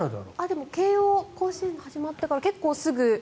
でも、慶応甲子園が始まってから結構すぐ。